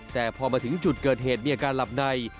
แต่พอมาถึงจุดเกิดเหตุมีอาการหลับใน